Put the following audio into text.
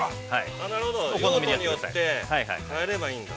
◆なるほど、用途によって変えればいいんだ。